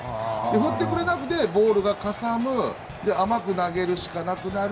振ってくれなくてボールがかさむ甘く投げるしかなくなる。